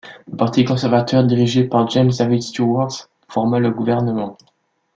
Le parti conservateur dirigé par James David Stewart forma le gouvernement.